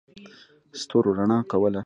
ستورو رڼا کوله.